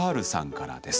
からです。